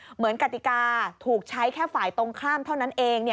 กติกาถูกใช้แค่ฝ่ายตรงข้ามเท่านั้นเอง